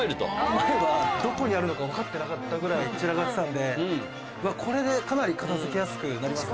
前はどこにあるのか分かってなかったぐらい散らかってたんでこれでかなり片付けやすくなりますね。